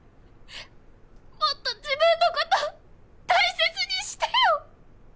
もっと自分のこと大切にしてよ！